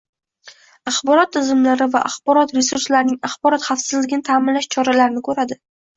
axborot tizimlari va axborot resurslarining axborot xavfsizligini ta’minlash choralarini ko‘radi;